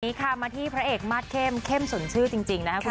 ค่ะมาที่พระเอกมาสเข้มเข้มสนชื่อจริงนะครับ